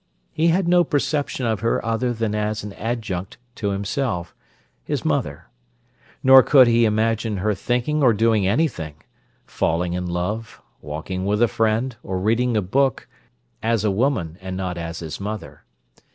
He had no perception of her other than as an adjunct to himself, his mother; nor could he imagine her thinking or doing anything—falling in love, walking with a friend, or reading a book—as a woman, and not as his mother.